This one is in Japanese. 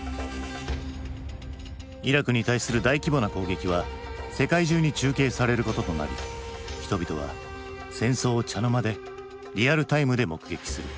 イラクに対する大規模な攻撃は世界中に中継されることとなり人々は戦争を茶の間でリアルタイムで目撃する。